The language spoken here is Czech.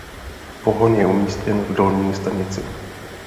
Pohon je umístěn v dolní stanici.